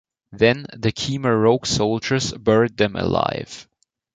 Then the Khmer Rouge soldiers buried them alive.